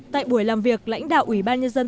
tại buổi làm việc lãnh đạo ủy ban nhân dân